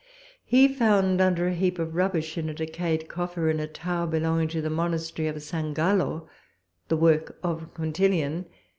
He found under a heap of rubbish in a decayed coffer, in a tower belonging to the monastery of St. Gallo, the work of Quintilian.